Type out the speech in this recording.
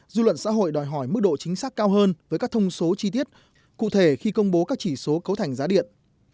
dư luận xã hội đòi hỏi mức độ chính xác cao hơn với các thông số chi tiết cụ thể khi công bố các chỉ số cấu thành giá điện